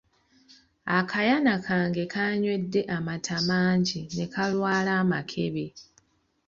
Akayana kange kaanywedde amata mangi ne kalwala amakebe.